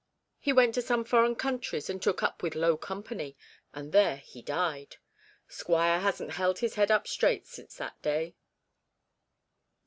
He went to some foreign countries and took up with low company, and there he died. Squire hasn't held his head up straight since that day.'